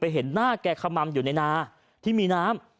เห็นหน้าแกขม่ำอยู่ในนาที่มีน้ำ